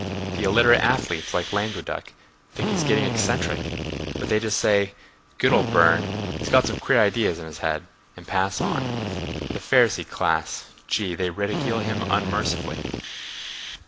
The illiterate athletes like Langueduc think he's getting eccentric, but they just say, 'Good old Burne has got some queer ideas in his head,' and pass on—the Pharisee class—Gee! they ridicule him unmercifully."